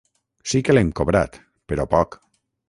Sí que l'hem cobrat, però poc.